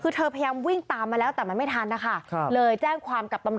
คือเธอพยายามวิ่งตามมาแล้วแต่มันไม่ทันนะคะ